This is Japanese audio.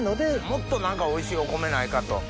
もっと何かおいしいお米ないかと。